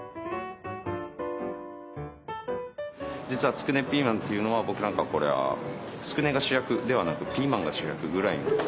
実はつくねピーマンっていうのは僕なんかこれはつくねが主役ではなくピーマンが主役ぐらいの。